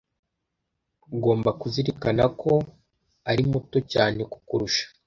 ugomba kuzirikana ko ari muto cyane kukurusha